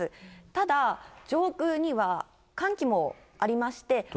ただ、上空には寒気もありまして。